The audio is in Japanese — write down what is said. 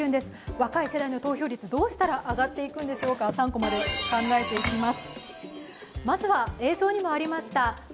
若い世代の投票率どうしたら上がるんでしょうか３コマで考えていきます。